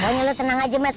pokoknya lu tenang aja matt